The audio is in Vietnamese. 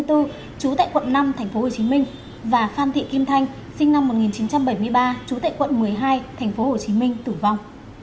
trú tại quận năm tp hcm và phan thị kim thanh sinh năm một nghìn chín trăm bảy mươi ba trú tại quận một mươi hai tp hcm tử vong